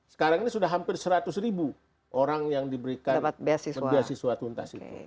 sekarang ini sudah hampir seratus ribu orang yang diberikan beasiswa tuntas itu